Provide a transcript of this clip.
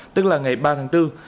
tức là ngày ba tháng bốn